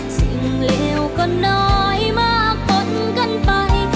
สิ่งเรวก็น้อยมากเกินกันไป